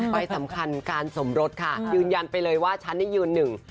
ไปสำคัญการสมรสค่ะยืนยันไปเลยว่าฉันนี่ยืนหนึ่ง